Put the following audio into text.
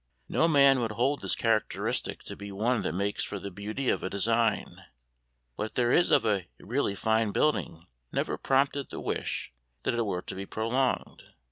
No man would hold this characteristic to be one that makes for the beauty of a design; what there is of a really fine building never prompted the wish that it were to be prolonged.